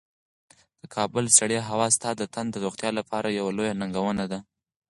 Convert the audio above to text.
د کابل سړې هوا ستا د تن د روغتیا لپاره یوه لویه ننګونه ده.